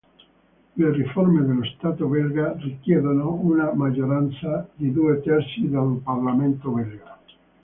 Le riforme dello Stato belga richiedono una maggioranza di due terzi nel Parlamento belga.